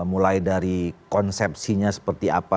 mulai dari konsepsinya seperti apa